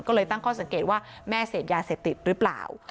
ก็เลยตั้งข้อสังเกตว่าแม่เสพยาเสพติดหรือเปล่า